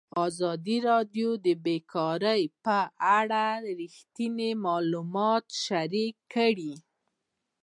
ازادي راډیو د بیکاري په اړه رښتیني معلومات شریک کړي.